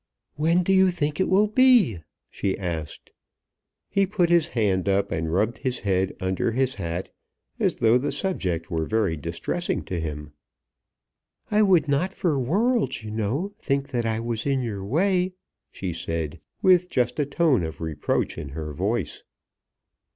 "When then do you think it will be?" she asked. He put his hand up and rubbed his head under his hat as though the subject were very distressing to him. "I would not for worlds, you know, think that I was in your way," she said, with just a tone of reproach in her voice.